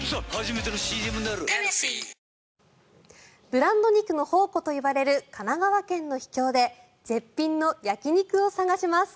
ブランド肉の宝庫といわれる神奈川県の秘境で絶品の焼き肉を探します。